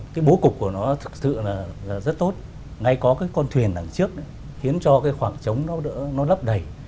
cái bố cục của nó thực sự là rất tốt ngay có cái con thuyền đằng trước khiến cho cái khoảng trống nó lấp đầy